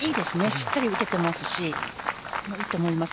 しっかり打ててますしいいと思います。